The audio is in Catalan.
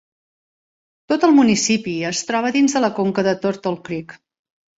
Tot el municipi es troba dins de la conca de Turtle Creek.